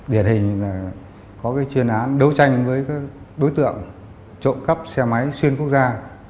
điện hình là có chuyên án đấu tranh với đối tượng trộm cắp xe máy xuyên quốc gia